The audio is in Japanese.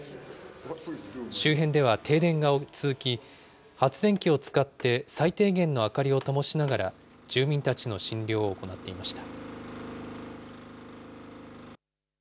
周辺では停電が続き、発電機を使って最低限の明かりをともしながら、住民たちの診療を行っていました。